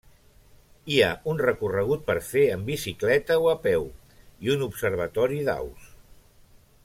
Hi ha un recorregut per fer en bicicleta o a peu i un observatori d'aus.